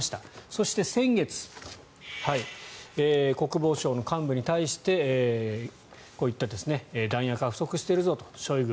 そして、先月国防省の幹部に対してこういった弾薬が不足しているぞとショイグ！